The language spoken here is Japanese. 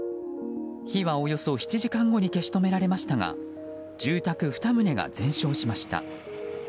火はおよそ７時間後に消し止められましたが住宅２棟が全焼しました。